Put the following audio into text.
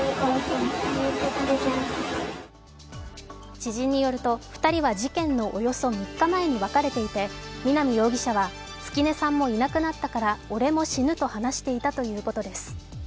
知人によると２人は事件のおよそ３日前に別れていて南容疑者は、月音さんもいなくなったから俺も死ぬと話していたということです。